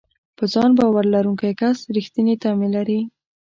په ځان باور لرونکی کس رېښتینې تمې لري.